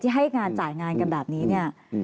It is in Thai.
ที่ให้งานจ่ายงานกันแบบนี้